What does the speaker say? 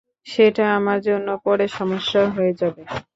সেটা আমার জন্য পরে সমস্যা হয়ে যাবে।